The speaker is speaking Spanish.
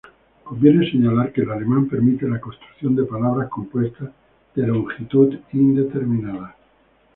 Conviene señalar que el alemán permite la construcción de palabras compuestas de longitud indeterminada.